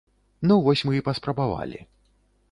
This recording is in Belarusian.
Ну вось мы і паспрабавалі.